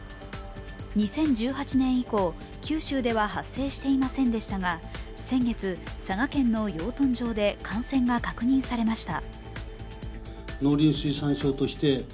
２０１８年以降、九州では発生していませんでしたが先月、佐賀県の養豚場で感染が確認されました。